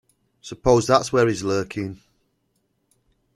Suppose that's where he's lurking?